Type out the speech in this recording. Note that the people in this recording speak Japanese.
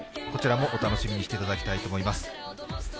こちらもお楽しみにしていただきたいと思います。